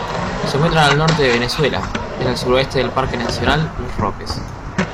Se encuentran al norte de Venezuela, en el suroeste del Parque nacional Los Roques".